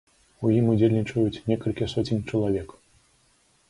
У ім удзельнічаюць некалькі соцень чалавек.